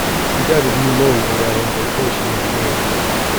He died of pneumonia while on vacation in Maine.